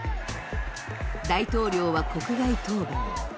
大統領は国外逃亡。